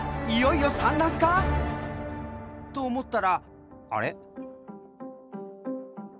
いよいよ産卵か？と思ったらあれ？